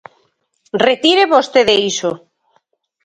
Retire vostede iso.